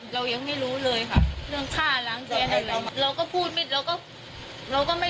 เรายังไม่รู้เลยค่ะเรื่องฆ่าล้างแท้นเราก็พูดไม่เราก็ไม่รู้จะพูดยังไง